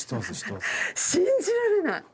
信じられない！